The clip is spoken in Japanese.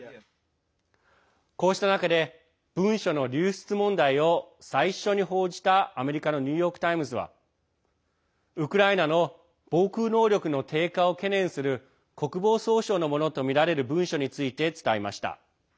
こうした中で文書の流出問題を最初に報じたアメリカのニューヨーク・タイムズはウクライナの防空能力の低下を懸念する国防総省のものとみられる文書について伝えました。